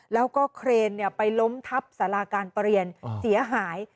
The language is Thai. แล้วก็เครนไปล้มทับสาราการประเรียนเสียหาย